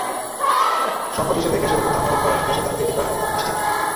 সম্পদ হিসেবে গ্যাসের ওপর দাম আরোপ করায় গ্যাসের দাম বৃদ্ধি প্রায় নিশ্চিত।